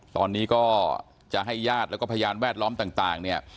ตอนนี้ก็จะให้ญาติและพยานแวดล้อมต่าง